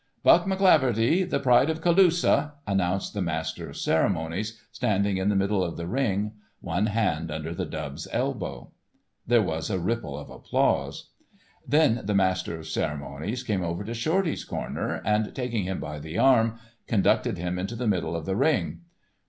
"Buck McCleaverty, the Pride of Colusa," announced the master of ceremonies, standing in the middle of the ring, one hand under the dub's elbow. There was a ripple of applause. Then the master of ceremonies came over to Shorty's corner, and, taking him by the arm, conducted him into the middle of the ring.